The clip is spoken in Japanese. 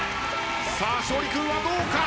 さあ勝利君はどうか？